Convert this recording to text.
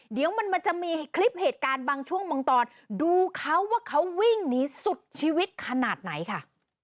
เดี๋ยวมันจะมีคลิปเหตุการณ์บางช่วงบางตอนดูเขาว่าเขาวิ่งหนีสุดชีวิตขนาดไหนค่ะ